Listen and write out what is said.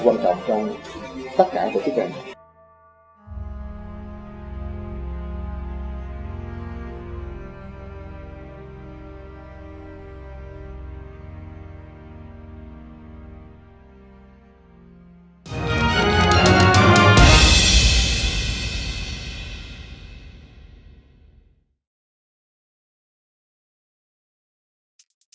quan trọng trong tất cả các kế hoạch ừ ừ ừ ừ ừ ừ ừ ừ ừ ừ ừ ừ ừ ừ ừ ừ ừ ừ ừ